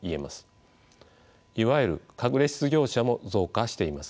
いわゆる隠れ失業者も増加しています。